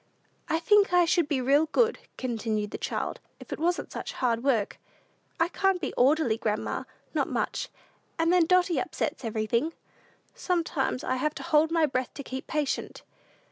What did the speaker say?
"I think I should be real good," continued the child, "if it wasn't such hard work. I can't be orderly, grandma not much; and then Dotty upsets everything. Sometimes I have to hold my breath to keep patient.